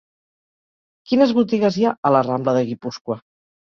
Quines botigues hi ha a la rambla de Guipúscoa?